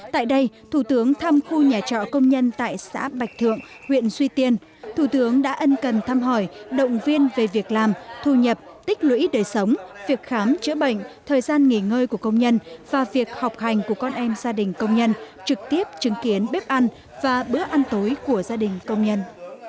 tại đây thủ tướng thăm khu nhà trọ công nhân tại xã bạch thượng huyện suy tiên thủ tướng đã ân cần thăm hỏi động viên về việc làm thu nhập tích lũy đời sống việc khám chữa bệnh thời gian nghỉ ngơi của công nhân và việc học hành của con em gia đình công nhân trực tiếp chứng kiến bếp ăn và bữa ăn tối của gia đình công nhân